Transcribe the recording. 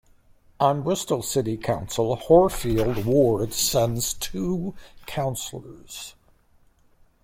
On Bristol City Council, Horfield ward sends two councillors.